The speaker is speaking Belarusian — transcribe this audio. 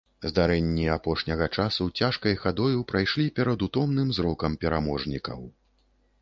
Здарэнні апошняга часу цяжкай хадою прайшлі перад утомным зрокам пераможнікаў.